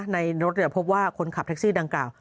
ในรถพบว่าคนขับแท็กซี่ดังกล่าว